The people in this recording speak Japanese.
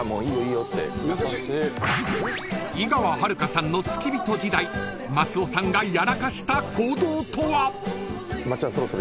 ［井川遥さんの付き人時代松尾さんがやらかした行動とは？］